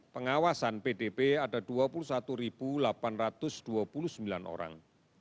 pengawasan pdb ada dua puluh satu delapan ratus dua puluh sembilan orang